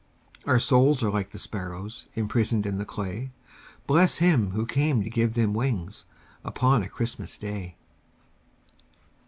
Our souls are like the sparrows Imprisoned in the clay, Bless Him who came to give them wings Upon a Christmas Day!